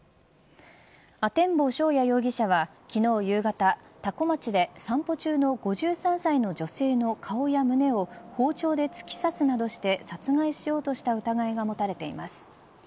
阿天坊翔也容疑者は昨日の夕方、多古町で散歩中の５３歳の女性の顔や胸を包丁で突き刺すなどして殺害しようとした疑いが持たれています。